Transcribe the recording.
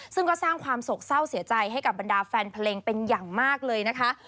ซึ่งก็สร้างความโศกเศร้าเสียใจให้กับบรรดาแฟนเพลงเป็นอย่างมากเลยนะคะ